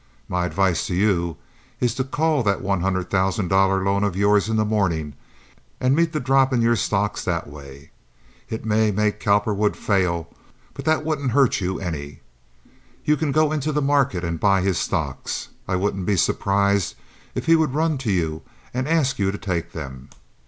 My advice to you is to call that one hundred thousand dollar loan of yours in the morning, and meet the drop in your stocks that way. It may make Cowperwood fail, but that won't hurt you any. You can go into the market and buy his stocks. I wouldn't be surprised if he would run to you and ask you to take them.